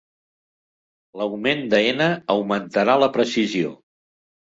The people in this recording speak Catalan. L'augment de n augmentarà la precisió.